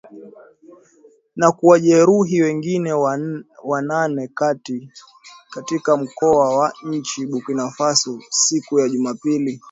na kuwajeruhi wengine wanane katika mkoa wa nchini Burkina Faso siku ya Jumapili